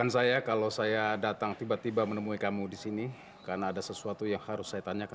sampai jumpa di video selanjutnya